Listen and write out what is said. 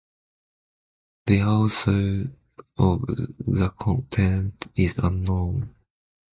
The author of the content is unknown.